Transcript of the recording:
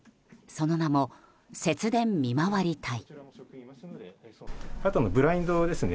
その名も節電見回り隊。